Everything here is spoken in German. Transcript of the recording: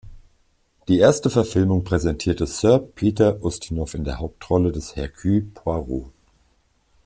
Die erste Verfilmung präsentierte Sir Peter Ustinov in der Hauptrolle des Hercule Poirot.